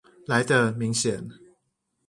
來的明顯